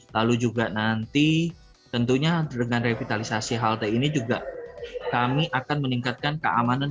lalu juga nanti tentunya dengan revitalisasi halte ini juga kami akan meningkatkan keamanan